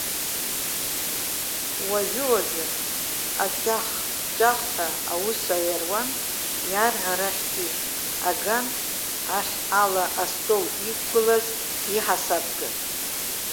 Ожәы-ожәы аҷах-аҷахҳәа аус аируан иарӷьарахьтәи аган ахь ала астол иқәгылаз иҳасабга.